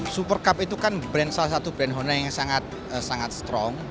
super cup itu kan brand salah satu brand honda yang sangat strong